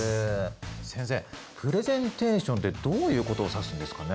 先生プレゼンテーションってどういうことを指すんですかね？